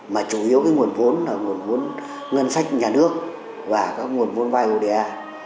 mà chủ yếu cái nguồn vốn là nguồn vốn ngân sách nhà nước và các nguồn vốn vai hồ đề a